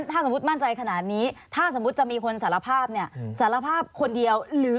ถ้าสมมุติแม่ใจขนาดนี้